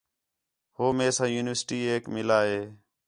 ہو مئے ساں یونیورسٹی ایک مِلا ہِے